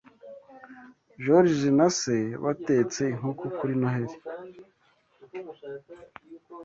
Joriji na Se batetse inkoko kuri noheli